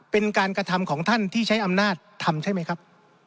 เป็นการกระทำของท่านที่ใช้อำนาจทำใช่ไหมครับ